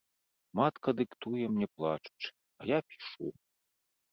Матка дыктуе мне плачучы, а я пішу.